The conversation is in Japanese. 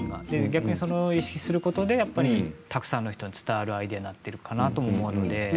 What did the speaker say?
逆に意識することでたくさんの人に伝わるアイデアになっているかなと思うので。